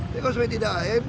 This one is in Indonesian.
tapi kalau tidak ada air